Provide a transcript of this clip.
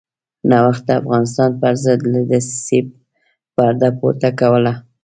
نوښت د افغانستان پرضد له دسیسې پرده پورته کوله.